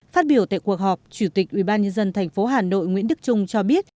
phát biểu tại cuộc họp chủ tịch ubnd tp hà nội nguyễn đức trung cho biết